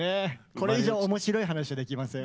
これ以上面白い話はできません。